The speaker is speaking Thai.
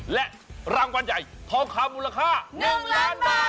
และรางวัลใหญ่ทองคำมูลค่า๑ล้านบาท